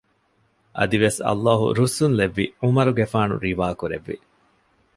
އަދިވެސް ﷲ ރުއްސުން ލެއްވި ޢުމަރުގެފާނު ރިވާ ކުރެއްވި